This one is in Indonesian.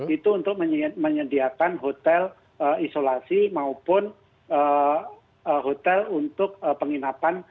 itu untuk menyediakan hotel isolasi maupun hotel untuk penginapan